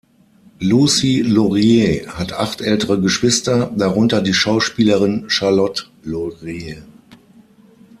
Lucie Laurier hat acht ältere Geschwister, darunter die Schauspielerin Charlotte Laurier.